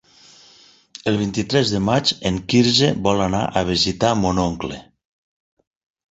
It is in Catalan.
El vint-i-tres de maig en Quirze vol anar a visitar mon oncle.